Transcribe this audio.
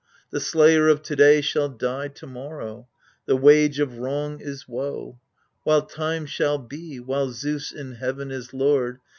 The slayer of to day shall die tomorrow — The wage of wrong is woe. While Time shall be, while Zeus in heaven is lord.